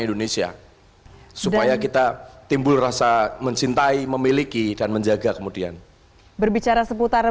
indonesia supaya kita timbul rasa mencintai memiliki dan menjaga kemudian berbicara seputar